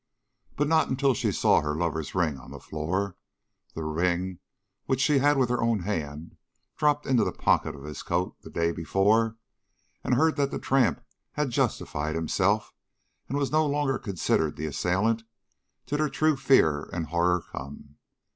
But not until she saw her lover's ring on the floor (the ring which she had with her own hand dropped into the pocket of his coat the day before) and heard that the tramp had justified himself and was no longer considered the assailant, did her true fear and horror come.